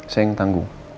saya yang tangguh